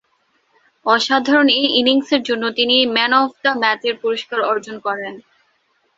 অসাধারণ এ ইনিংসের জন্যে তিনি ম্যান অব দ্য ম্যাচের পুরস্কার অর্জন করেন।